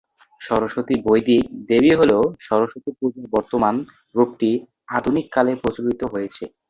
সরস্বতী বৈদিক দেবী হলেও সরস্বতী পূজা বর্তমান রূপটি আধুনিক কালে প্রচলিত হয়েছে।